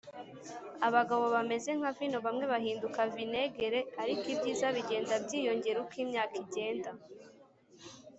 abagabo bameze nka vino - bamwe bahinduka vinegere, ariko ibyiza bigenda byiyongera uko imyaka igenda.